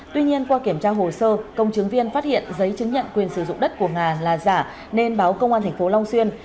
tuy nhiên qua kiểm tra hồ sơ công chứng viên phát hiện giấy chứng nhận quyền sử dụng đất của nga là giả nên báo công an tp long xuyên